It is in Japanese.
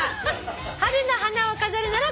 「春の花を飾るなら」